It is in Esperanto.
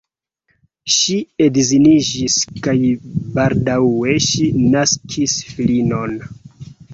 Ŝi edziniĝis kaj baldaŭe ŝi naskis filinon.